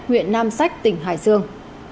huyện nam sách tỉnh hải dương